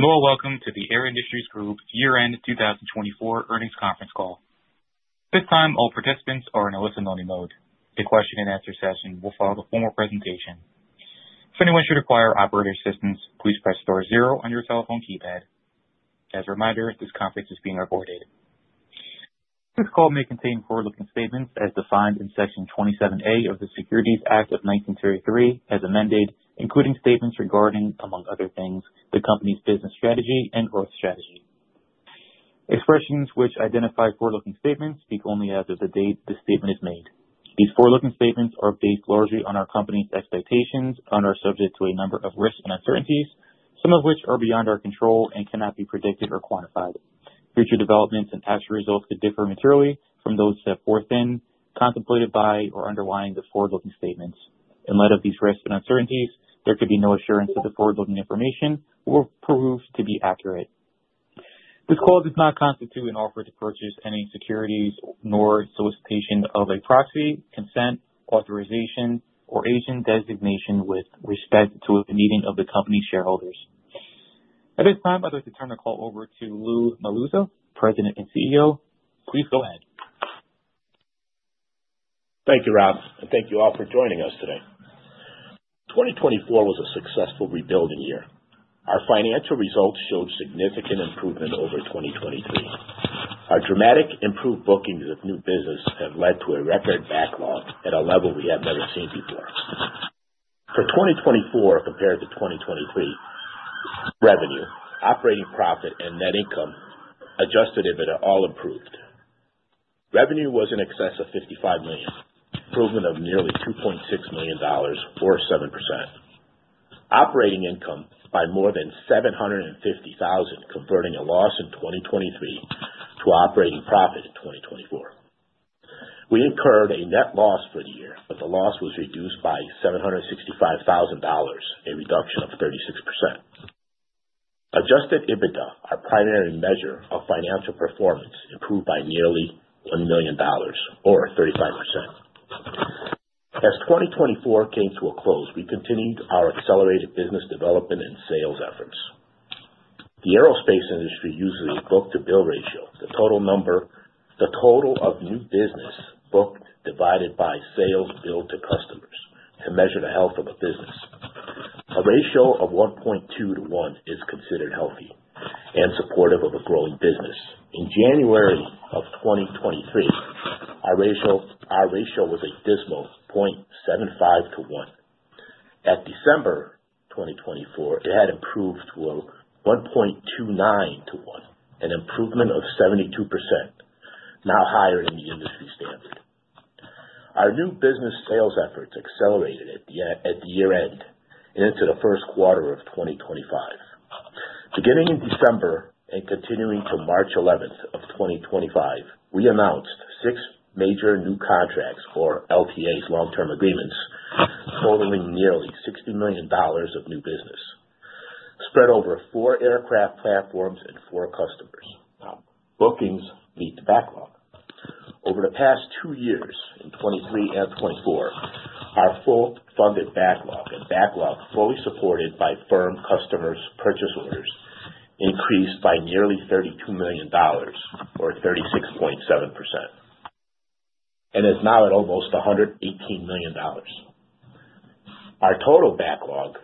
Hello, welcome to the Air Industries Group year-end 2024 earnings conference call. This time, all participants are in a listen-only mode. The question-and-answer session will follow the formal presentation. If anyone should require operator assistance, please press star zero on your telephone keypad. As a reminder, this conference is being recorded. This call may contain forward-looking statements as defined in Section 27A of the Securities Act of 1973 as amended, including statements regarding, among other things, the company's business strategy and growth strategy. Expressions which identify forward-looking statements speak only as of the date the statement is made. These forward-looking statements are based largely on our company's expectations and are subject to a number of risks and uncertainties, some of which are beyond our control and cannot be predicted or quantified. Future developments and actual results could differ materially from those set forth in, contemplated by, or underlying the forward-looking statements. In light of these risks and uncertainties, there could be no assurance that the forward-looking information will prove to be accurate. This call does not constitute an offer to purchase any securities nor solicitation of a proxy, consent, authorization, or agent designation with respect to the meeting of the company's shareholders. At this time, I'd like to turn the call over to Lou Melluzzo, President and CEO. Please go ahead. Thank you, Rob. Thank you all for joining us today. 2024 was a successful rebuilding year. Our financial results showed significant improvement over 2023. Our dramatic improved bookings of new business have led to a record backlog at a level we have never seen before. For 2024, compared to 2023, revenue, operating profit, and net income adjusted have all improved. Revenue was in excess of $55 million, improvement of nearly $2.6 million, or 7%. Operating income by more than $750,000, converting a loss in 2023 to operating profit in 2024. We incurred a net loss for the year, but the loss was reduced by $765,000, a reduction of 36%. Adjusted EBITDA, our primary measure of financial performance, improved by nearly $1 million, or 35%. As 2024 came to a close, we continued our accelerated business development and sales efforts. The aerospace industry uses a book-to-bill ratio, the total number of new business booked divided by sales billed to customers, to measure the health of a business. A ratio of 1.2 to 1 is considered healthy and supportive of a growing business. In January of 2023, our ratio was a dismal 0.75 to 1. At December 2024, it had improved to 1.29 to 1, an improvement of 72%, now higher than the industry standard. Our new business sales efforts accelerated at the year-end and into the first quarter of 2025. Beginning in December and continuing to March 11th of 2025, we announced six major new contracts or LTAs, long-term agreements, totaling nearly $60 million of new business, spread over four aircraft platforms and four customers. Bookings beat the backlog. Over the past two years, in 2023 and 2024, our full-funded backlog and backlog fully supported by firm customers' purchase orders increased by nearly $32 million, or 36.7%, and is now at almost $118 million. Our total backlog,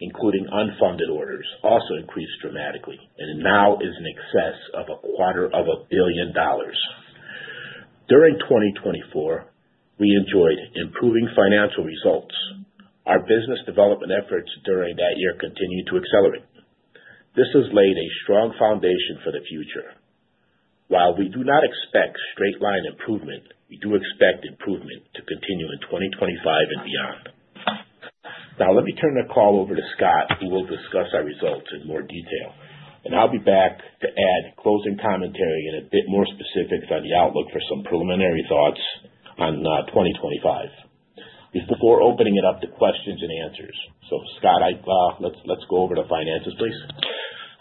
including unfunded orders, also increased dramatically and now is in excess of a quarter of a billion dollars. During 2024, we enjoyed improving financial results. Our business development efforts during that year continued to accelerate. This has laid a strong foundation for the future. While we do not expect straight-line improvement, we do expect improvement to continue in 2025 and beyond. Now, let me turn the call over to Scott, who will discuss our results in more detail, and I'll be back to add closing commentary and a bit more specifics on the outlook for some preliminary thoughts on 2025. Before opening it up to questions and answers, Scott, let's go over to finances, please.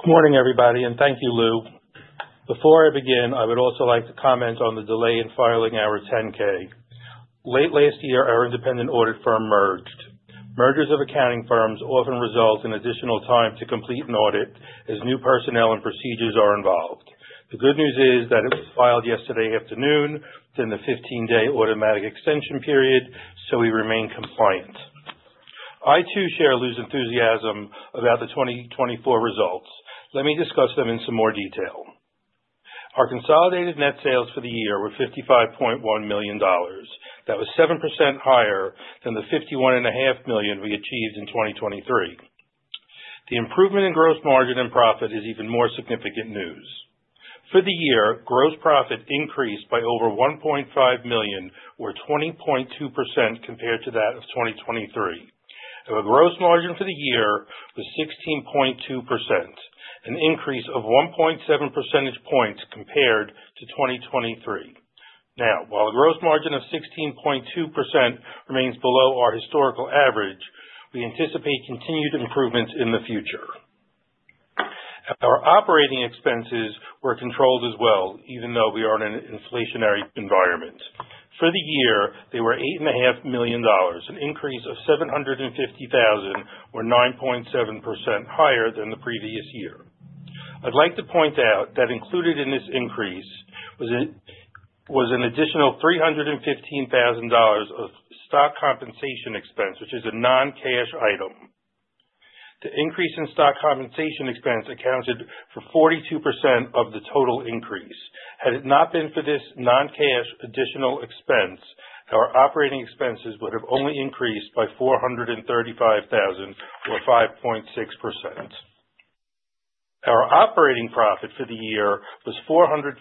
Good morning, everybody, and thank you, Lou. Before I begin, I would also like to comment on the delay in filing our 10-K. Late last year, our independent audit firm merged. Mergers of accounting firms often result in additional time to complete an audit as new personnel and procedures are involved. The good news is that it was filed yesterday afternoon within the 15-day automatic extension period, so we remain compliant. I, too, share Lou's enthusiasm about the 2024 results. Let me discuss them in some more detail. Our consolidated net sales for the year were $55.1 million. That was 7% higher than the $51.5 million we achieved in 2023. The improvement in gross margin and profit is even more significant news. For the year, gross profit increased by over $1.5 million, or 20.2%, compared to that of 2023. Our gross margin for the year was 16.2%, an increase of 1.7 percentage points compared to 2023. Now, while the gross margin of 16.2% remains below our historical average, we anticipate continued improvements in the future. Our operating expenses were controlled as well, even though we are in an inflationary environment. For the year, they were $8.5 million, an increase of $750,000, or 9.7% higher than the previous year. I'd like to point out that included in this increase was an additional $315,000 of stock compensation expense, which is a non-cash item. The increase in stock compensation expense accounted for 42% of the total increase. Had it not been for this non-cash additional expense, our operating expenses would have only increased by $435,000, or 5.6%. Our operating profit for the year was $459,000,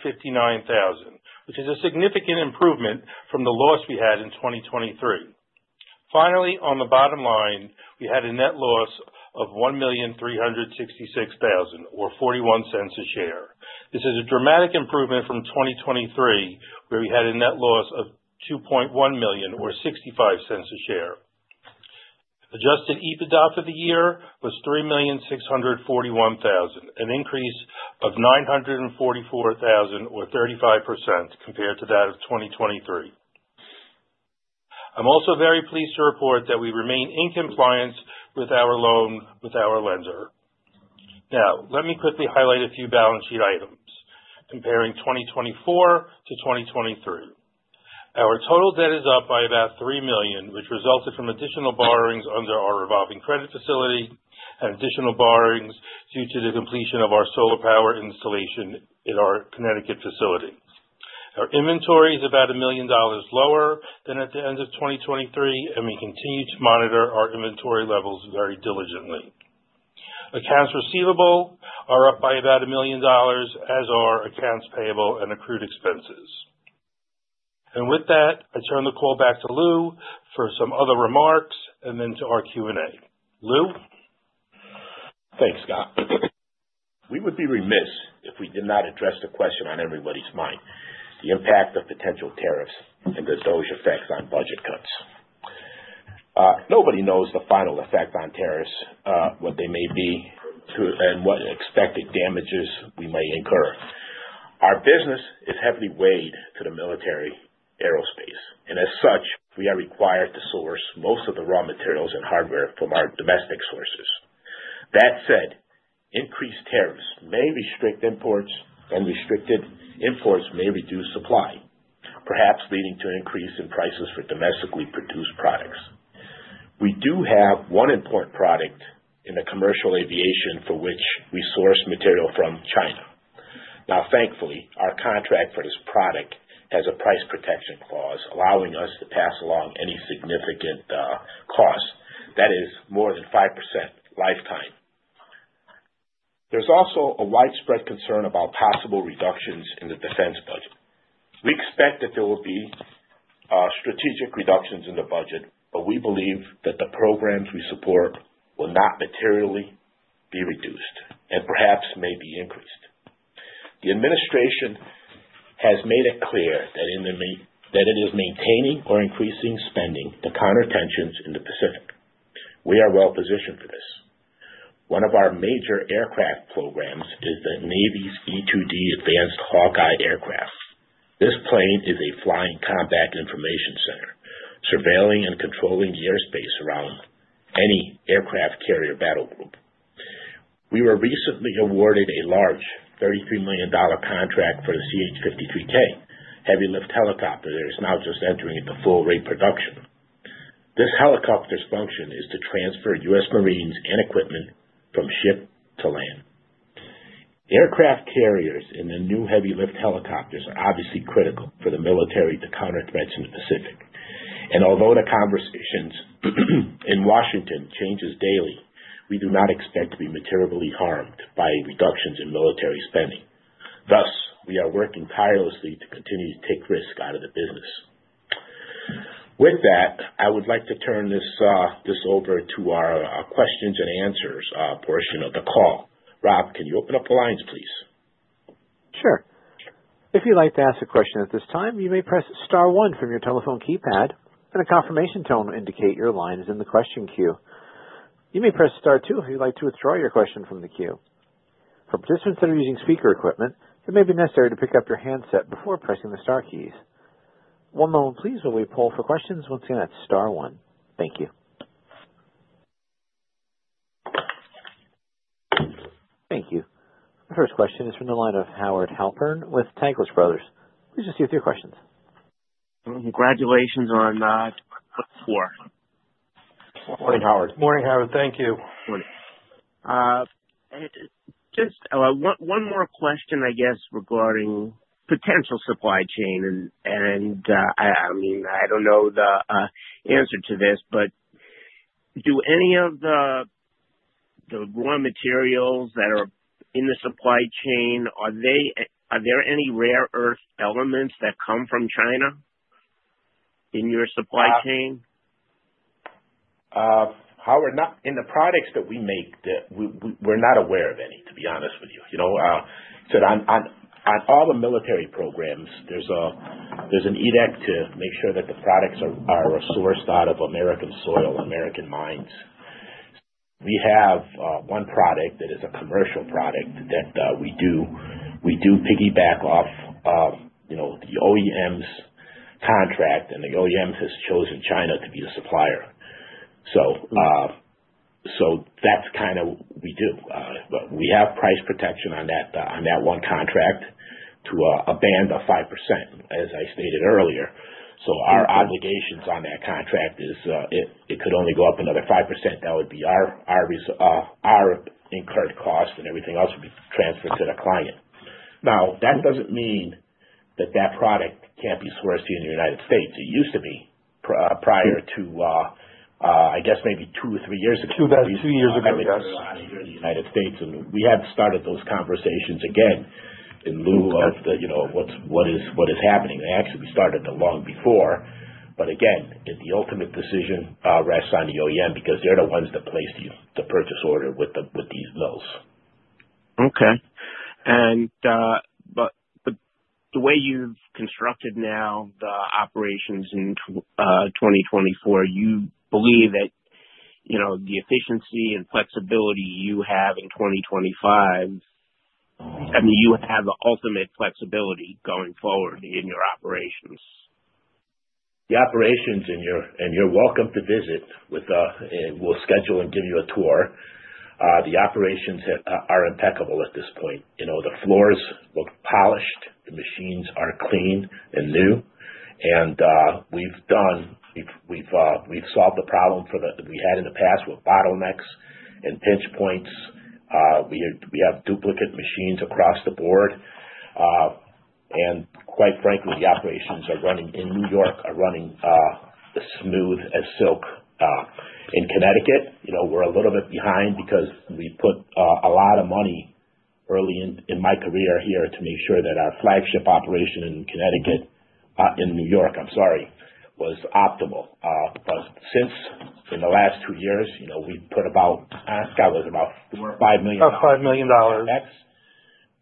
which is a significant improvement from the loss we had in 2023. Finally, on the bottom line, we had a net loss of $1,366,000, or $0.41 a share. This is a dramatic improvement from 2023, where we had a net loss of $2.1 million, or $0.65 a share. Adjusted EBITDA for the year was $3,641,000, an increase of $944,000, or 35%, compared to that of 2023. I'm also very pleased to report that we remain in compliance with our loan with our lender. Now, let me quickly highlight a few balance sheet items, comparing 2024 to 2023. Our total debt is up by about $3 million, which resulted from additional borrowings under our revolving credit facility and additional borrowings due to the completion of our solar power installation at our Connecticut facility. Our inventory is about $1 million lower than at the end of 2023, and we continue to monitor our inventory levels very diligently. Accounts receivable are up by about $1 million, as are accounts payable and accrued expenses. With that, I turn the call back to Lou for some other remarks and then to our Q&A. Lou? Thanks, Scott. We would be remiss if we did not address the question on everybody's mind: the impact of potential tariffs and those effects on budget cuts. Nobody knows the final effect on tariffs, what they may be, and what expected damages we may incur. Our business is heavily weighed to the military aerospace, and as such, we are required to source most of the raw materials and hardware from our domestic sources. That said, increased tariffs may restrict imports, and restricted imports may reduce supply, perhaps leading to an increase in prices for domestically produced products. We do have one important product in the commercial aviation for which we source material from China. Now, thankfully, our contract for this product has a price protection clause, allowing us to pass along any significant cost that is more than 5% lifetime. There's also a widespread concern about possible reductions in the defense budget. We expect that there will be strategic reductions in the budget, but we believe that the programs we support will not materially be reduced and perhaps may be increased. The administration has made it clear that it is maintaining or increasing spending to counter tensions in the Pacific. We are well positioned for this. One of our major aircraft programs is the Navy's E-2D Advanced Hawkeye Aircraft. This plane is a flying combat information center, surveilling and controlling the airspace around any aircraft carrier battle group. We were recently awarded a large $33 million contract for the CH-53K heavy-lift helicopter that is now just entering into full rate production. This helicopter's function is to transfer U.S. Marines and equipment from ship to land. Aircraft carriers and the new heavy-lift helicopters are obviously critical for the military to counter threats in the Pacific. Although the conversations in Washington change daily, we do not expect to be materially harmed by reductions in military spending. Thus, we are working tirelessly to continue to take risk out of the business. With that, I would like to turn this over to our questions and answers portion of the call. Rob, can you open up the lines, please? Sure. If you'd like to ask a question at this time, you may press star one from your telephone keypad, and a confirmation tone will indicate your line is in the question queue. You may press star two if you'd like to withdraw your question from the queue. For participants that are using speaker equipment, it may be necessary to pick up your handset before pressing the star keys. One moment, please, while we pull for questions. Once again, that's star one. Thank you. Thank you. The first question is from the line of Howard Halpern with Taglich Brothers. Please just do three questions. Congratulations on four. Morning, Howard. Morning, Howard. Thank you. Morning. Just one more question, I guess, regarding potential supply chain. I mean, I don't know the answer to this, but do any of the raw materials that are in the supply chain, are there any rare earth elements that come from China in your supply chain? Howard, in the products that we make, we're not aware of any, to be honest with you. On all the military programs, there's an edict to make sure that the products are sourced out of American soil, American mines. We have one product that is a commercial product that we do piggyback off the OEM's contract, and the OEM has chosen China to be the supplier. That is kind of what we do. We have price protection on that one contract to a band of 5%, as I stated earlier. Our obligations on that contract is it could only go up another 5%. That would be our incurred cost, and everything else would be transferred to the client. Now, that does not mean that that product cannot be sourced here in the United States. It used to be prior to, I guess, maybe two or three years ago. Two years ago. In the United States. We have started those conversations again in lieu of what is happening. Actually, we started it long before. Again, the ultimate decision rests on the OEM because they're the ones that placed the purchase order with these mills. Okay. The way you've constructed now the operations in 2024, you believe that the efficiency and flexibility you have in 2025, I mean, you have the ultimate flexibility going forward in your operations. The operations and your welcome to visit with us, and we'll schedule and give you a tour. The operations are impeccable at this point. The floors look polished. The machines are clean and new. We've solved the problem we had in the past with bottlenecks and pinch points. We have duplicate machines across the board. Quite frankly, the operations in New York are running as smooth as silk. In Connecticut, we're a little bit behind because we put a lot of money early in my career here to make sure that our flagship operation in New York was optimal. Since in the last two years, we put about, I think it was about $5 million. About $5 million.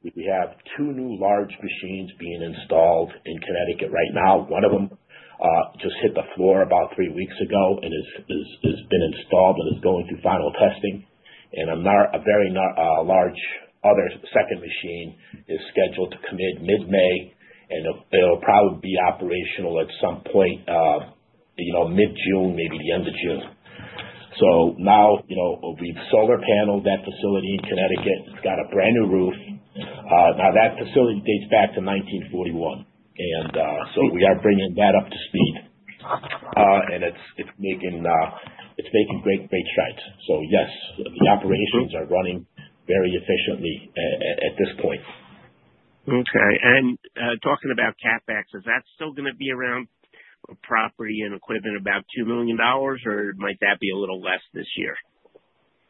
We have two new large machines being installed in Connecticut right now. One of them just hit the floor about three weeks ago and has been installed and is going through final testing. A very large other second machine is scheduled to commit mid-May, and it'll probably be operational at some point mid-June, maybe the end of June. We have solar paneled that facility in Connecticut. It's got a brand new roof. That facility dates back to 1941. We are bringing that up to speed, and it's making great strides. Yes, the operations are running very efficiently at this point. Okay. Talking about CapEx, is that still going to be around property and equipment about $2 million, or might that be a little less this year?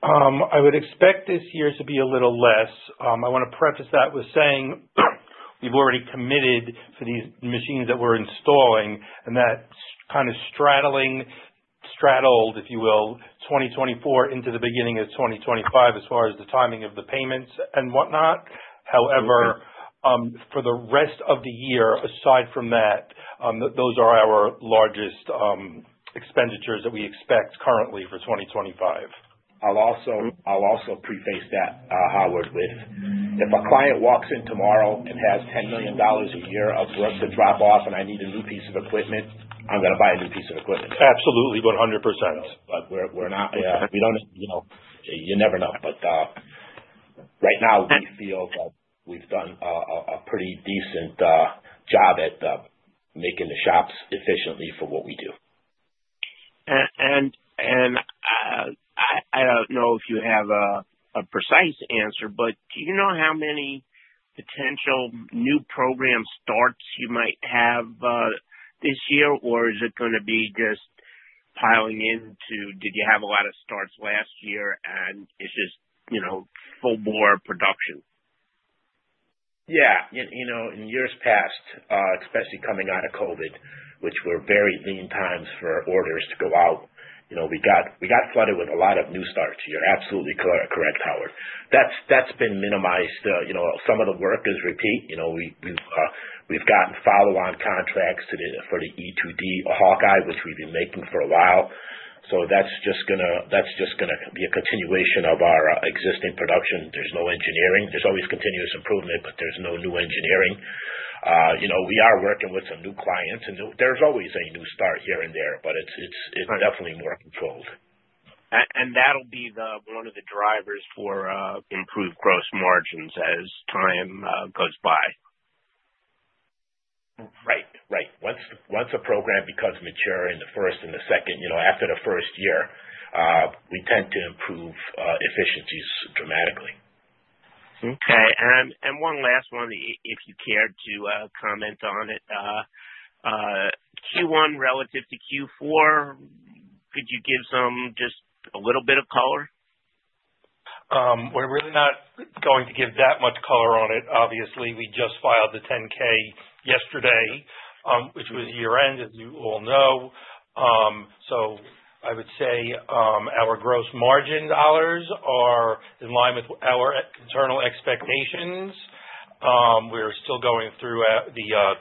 I would expect this year to be a little less. I want to preface that with saying we've already committed for these machines that we're installing, and that's kind of straddling, straddled, if you will, 2024 into the beginning of 2025 as far as the timing of the payments and whatnot. However, for the rest of the year, aside from that, those are our largest expenditures that we expect currently for 2025. I'll also preface that, Howard, with if a client walks in tomorrow and has $10 million a year of work to drop off and I need a new piece of equipment, I'm going to buy a new piece of equipment. Absolutely. 100%. We're not. You never know. Right now, we feel that we've done a pretty decent job at making the shops efficiently for what we do. I don't know if you have a precise answer, but do you know how many potential new program starts you might have this year, or is it going to be just piling into did you have a lot of starts last year and it's just full bore production? Yeah. In years past, especially coming out of COVID, which were very lean times for orders to go out, we got flooded with a lot of new starts. You're absolutely correct, Howard. That's been minimized. Some of the work is repeat. We've gotten follow-on contracts for the E-2D Hawkeye, which we've been making for a while. That's just going to be a continuation of our existing production. There's no engineering. There's always continuous improvement, but there's no new engineering. We are working with some new clients, and there's always a new start here and there, but it's definitely more controlled. That will be one of the drivers for improved gross margins as time goes by. Right. Right. Once a program becomes mature in the first and the second, after the first year, we tend to improve efficiencies dramatically. Okay. One last one, if you care to comment on it. Q1 relative to Q4, could you give just a little bit of color? We're really not going to give that much color on it, obviously. We just filed the 10-K yesterday, which was year-end, as you all know. I would say our gross margin dollars are in line with our internal expectations. We're still going through the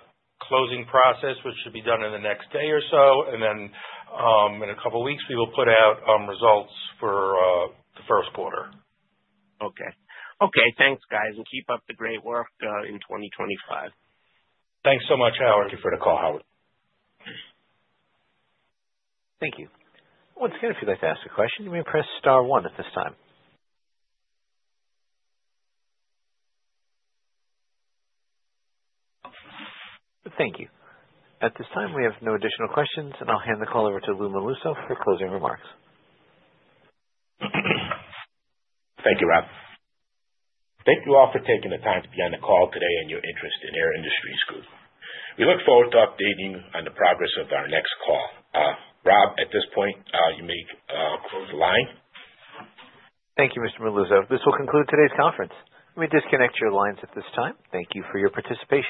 closing process, which should be done in the next day or so. In a couple of weeks, we will put out results for the first quarter. Okay. Okay. Thanks, guys. And keep up the great work in 2025. Thanks so much, Howard. Thank you for the call, Howard. Thank you. Once again, if you'd like to ask a question, you may press star one at this time. Thank you. At this time, we have no additional questions, and I'll hand the call over to Lou Melluzzo for closing remarks. Thank you, Rob. Thank you all for taking the time to be on the call today and your interest in Air Industries Group. We look forward to updating on the progress of our next call. Rob, at this point, you may close the line. Thank you, Mr. Melluzzo. This will conclude today's conference. We may disconnect your lines at this time. Thank you for your participation.